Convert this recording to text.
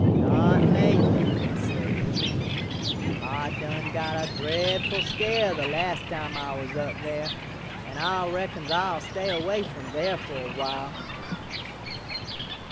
"Not lately," said he; "Ah done got a dreadful scare the last time Ah was up there, and Ah reckons Ah'll stay away from there for a while."